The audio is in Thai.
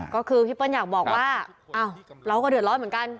ก็คือพี่เปิ้ลอยากบอกว่าเราก็เดือดร้อนเหมือนกัน